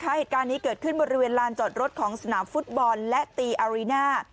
เหตุการณ์นี้เกิดขึ้นบริเวณลานจอดรถของสนามฟุตบอลและตีอารีน่า